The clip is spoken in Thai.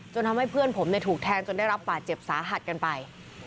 ทำให้เพื่อนผมถูกแทงจนได้รับบาดเจ็บสาหัสกันไป